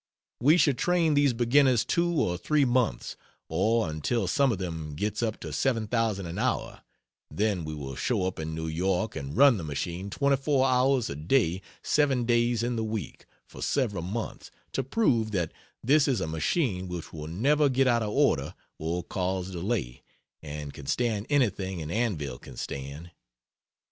We shall train these beginners two or three months or until some one of them gets up to 7,000 an hour then we will show up in New York and run the machine 24 hours a day 7 days in the week, for several months to prove that this is a machine which will never get out of order or cause delay, and can stand anything an anvil can stand.